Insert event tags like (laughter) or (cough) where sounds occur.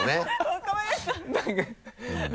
若林さん (laughs)